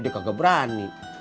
dia kagak berani